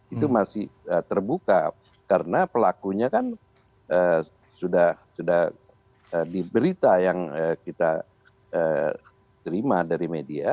itu masih terbuka karena pelakunya kan sudah diberita yang kita terima dari media